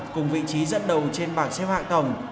cùng vị trí dẫn đầu trên bảng xếp hạng tổng